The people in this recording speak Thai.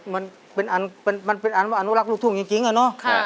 มันเป็นอันมันเป็นอันว่าอนุรักษ์ลูกถุงจริงจริงอะเนอะค่ะ